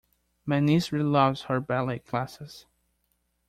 My niece really loves her ballet classes